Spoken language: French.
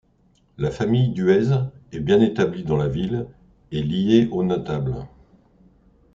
La famille Duèze est bien établie dans la ville et liée aux notables.